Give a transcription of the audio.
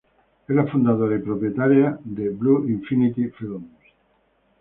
Es la fundadora y propietaria de Blue Infinity Films.